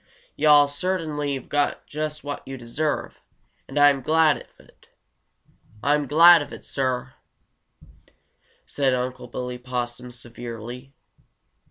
"Yo' all certainly has got just what yo' deserve, and Ah'm glad of it! Ah'm glad of it, Suh!" said Unc' Billy Possum severely.